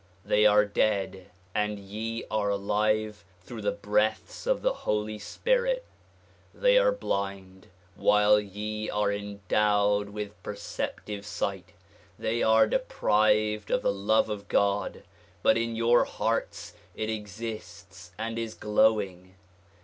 They are dead and ye are alive through the breaths of the Holy Spirit. They are blind while ye are endowed with perceptive sight. They are deprived of the love of God but in your hearts it exists and is glowing.